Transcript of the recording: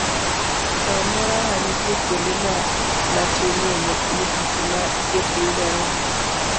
E alworawa, nitie kuonde matinie mogik ma thieth yudoree